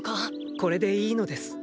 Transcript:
これでいいのです。